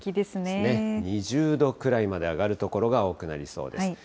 ２０度くらいまで上がる所が多くなりそうです。